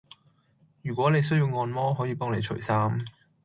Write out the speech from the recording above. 如果你需要按摩，可以幫你除衫